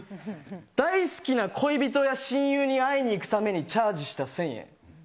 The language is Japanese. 大好きな恋人や親友に会いに行くためにチャージした１０００円。